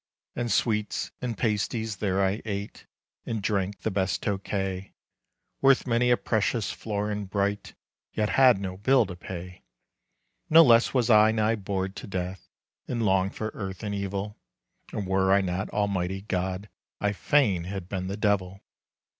And sweets and pasties there I ate, And drank the best Tokay, Worth many a precious florin bright, Yet had no bill to pay. No less was I nigh bored to death, And longed for earth and evil, And were I not Almighty God, I fain had been the devil.